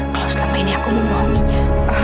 kalau selama ini aku membohonginya